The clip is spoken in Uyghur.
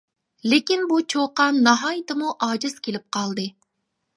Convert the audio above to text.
لېكىن بۇ چۇقان ناھايىتىمۇ ئاجىز كېلىپ قالدى.